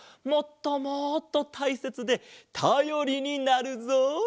もっともっとたいせつでたよりになるぞ。